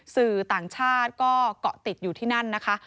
สื่อต่างชาติก็เกาะติดอยู่ที่นั่นนะคะ